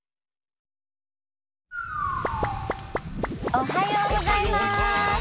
おはようございます。